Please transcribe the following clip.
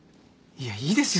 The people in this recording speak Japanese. いやいいですよ